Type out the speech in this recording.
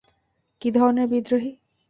কী ধরণের বিদ্রোহী?